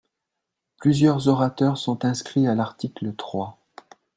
Plusieurs orateurs sont inscrits à l’article trois.